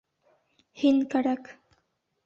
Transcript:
Һин кәрәк!